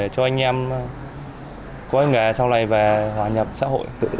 cho anh em có nghề sau này về hòa nhập xã hội